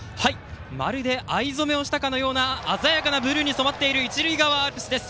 まるで藍染めをしたかのような鮮やかなブルーに染まっている一塁側アルプスです。